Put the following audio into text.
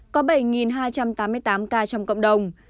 có bảy hai trăm tám mươi tám ca trong cộng đồng